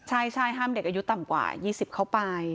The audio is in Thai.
ใช่ห้ามเด็กอายุต่ำกว่า๒๐เข้าไป